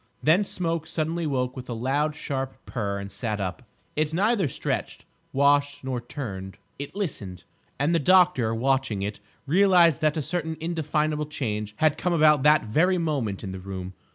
Then Smoke suddenly woke with a loud sharp purr and sat up. It neither stretched, washed nor turned: it listened. And the doctor, watching it, realised that a certain indefinable change had come about that very moment in the room.